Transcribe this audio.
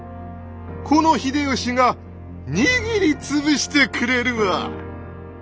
この秀吉が握り潰してくれるわ！